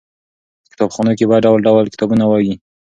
په کتابخانو کې باید ډول ډول کتابونه وي.